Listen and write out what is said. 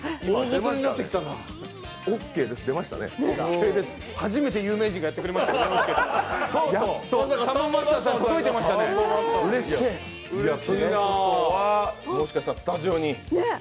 もしかしたらスタジオに。